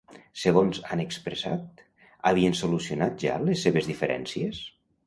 Segons han expressat, havien solucionat ja les seves diferències?